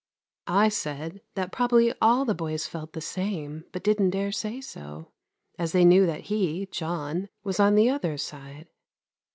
I said that probably all the boys felt the same, but didn't dare say so, as they knew that he, John, was on the other side.